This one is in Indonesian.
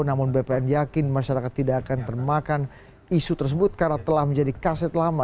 namun bpn yakin masyarakat tidak akan termakan isu tersebut karena telah menjadi kaset lama